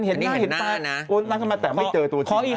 เห็นหน้าโอนนั่งเข้ามาแต่ไม่เจอตัวจริงนะครับ